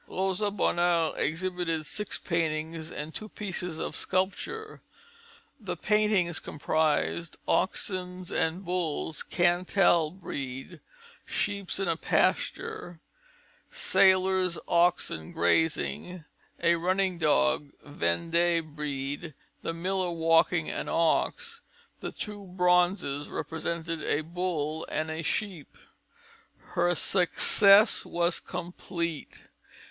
Rosa Bonheur exhibited six paintings and two pieces of sculpture. The paintings comprised: Oxen and Bulls (Cantal Breed), Sheep in a Pasture, Salers Oxen Grazing, a Running Dog (Vendée breed), The Miller Walking, An Ox. The two bronzes represented a Bull and a Sheep. Her success was complete.